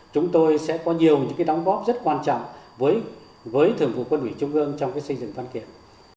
chúng tôi sẽ có nhiều những đóng góp rất quan trọng với thường vụ quân ủy trung ương trong xây dựng văn kiện